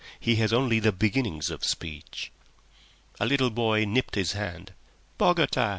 He has only the beginnings of speech." A little boy nipped his hand. "Bogota!"